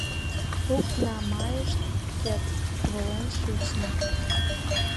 Фрукт-на-Майышкет волен шична.